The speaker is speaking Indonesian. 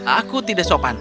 aku tidak sopan